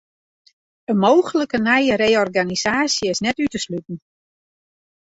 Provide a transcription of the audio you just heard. In mooglike nije reorganisaasje is net út te sluten.